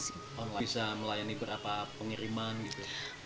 bisa melayani berapa pengiriman